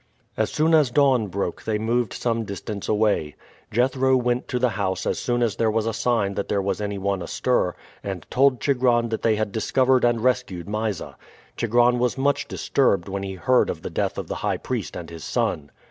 As soon as dawn broke they moved some distance away. Jethro went to the house as soon as there was a sign that there was any one astir, and told Chigron that they had discovered and rescued Mysa. Chigron was much disturbed when he heard of the death of the high priest and his son.